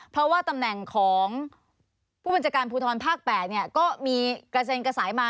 เพราะว่าตำแหน่งของผู้บัญชาการภูทรภาค๘ก็มีกระเซ็นกระสายมา